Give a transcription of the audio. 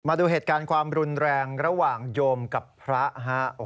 มาดูเหตุการณ์ความรุนแรงระหว่างโยมกับพระฮะ